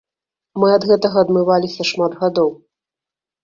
Мы ад гэтага адмываліся шмат гадоў.